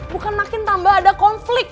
bukan makin tambah ada konflik